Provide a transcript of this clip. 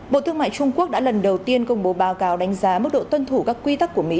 bộ thương mại trung quốc đã lần đầu tiên công bố báo cáo đánh giá mức độ tuân thủ các quy tắc của mỹ